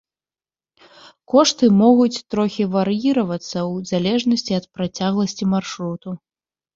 Кошты могуць трохі вар'іравацца ў залежнасці ад працягласці маршруту.